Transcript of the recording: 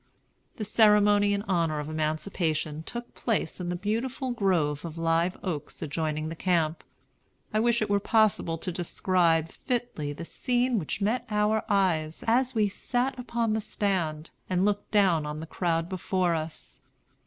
The ceremony in honor of Emancipation took place in the beautiful grove of live oaks adjoining the camp. I wish it were possible to describe fitly the scene which met our eyes, as we sat upon the stand, and looked down on the crowd before us.